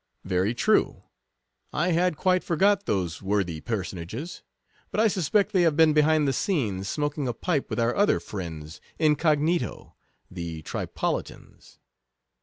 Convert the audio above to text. Very true — I had quite forgot those worthy personages ; but I suspect they have been behind the scenes, smoking a pipe with our other friends incog., the Tripolitans.